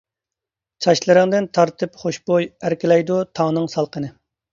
چاچلىرىڭدىن تارىتىپ خۇشبۇي، ئەركىلەيدۇ تاڭنىڭ سالقىنى.